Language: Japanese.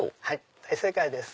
大正解です。